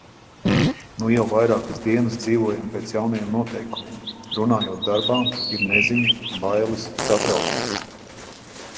Nu jau vairākas dienas dzīvojam pēc jaunajiem noteikumiem. Runājot darbā, ir neziņa, bailes, satraukums.